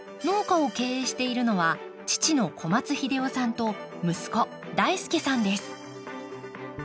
農家を経営しているのは父の小松英雄さんと息子大輔さんです。